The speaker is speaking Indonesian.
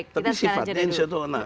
tapi sifatnya insituasional